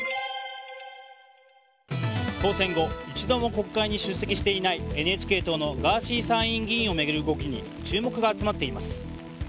当選後一度も国会に出席していないＮＨＫ党のガーシー議員に注目が集まっています。